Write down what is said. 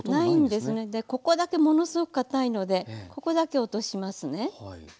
でここだけものすごくかたいのでここだけ落としますね。